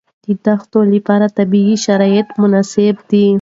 د دښتو لپاره طبیعي شرایط مناسب دي.